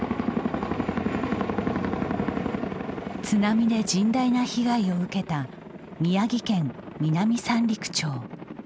津波で甚大な被害を受けた宮城県南三陸町。